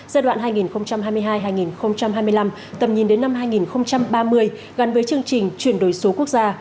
giai đoạn hai nghìn hai mươi hai hai nghìn hai mươi năm tầm nhìn đến năm hai nghìn ba mươi gắn với chương trình chuyển đổi số quốc gia